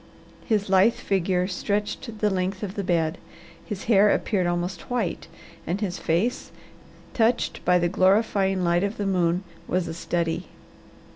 His lithe figure stretched the length of the bed, his hair appeared almost white, and his face, touched by the glorifying light of the moon, was a study.